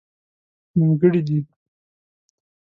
نيمګړئ دي